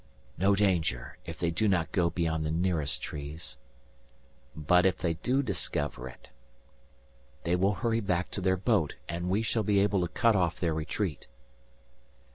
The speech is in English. "No danger, if they do not go beyond the nearest trees." "But if they do discover it?" "They will hurry back to their boat, and we shall be able to cut off their retreat."